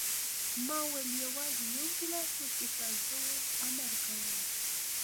ما وویل: یوازې یو ګیلاس وڅښه، زه اوس امر کوم.